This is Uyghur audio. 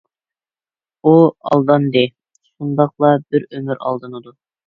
ئۇ ئالداندى، شۇنداقلا بىر ئۆمۈر ئالدىنىدۇ.